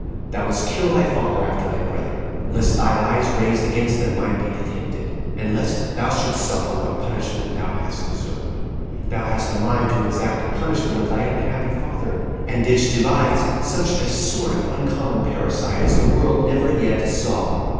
Thou wouldst kill thy father after thy brethren, lest thy lies raised against them might be detected; and lest thou shouldst suffer what punishment thou hadst deserved, thou hadst a mind to exact that punishment of thy unhappy father, and didst devise such a sort of uncommon parricide as the world never yet saw.